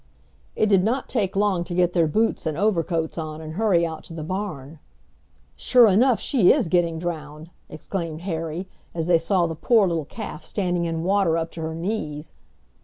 It did not take long to get their boots and overcoats on and hurry out to the barn. "Sure enough, she is getting drownded!" exclaimed Harry, as they saw the poor little calf standing in water up to her knees.